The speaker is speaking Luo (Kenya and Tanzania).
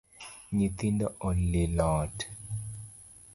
Nythindo olilo ot